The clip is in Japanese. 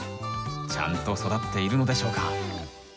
ちゃんと育っているのでしょうか？